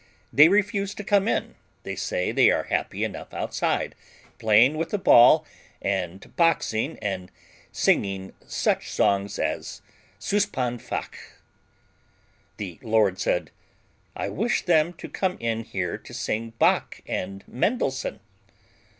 They refuse to come in; they say they are happy enough outside, playing with a ball and boxing and singing such songs as 'Suspan Fach'" The Lord said, "I wish them to come in here to sing Bach and Mendelssohn.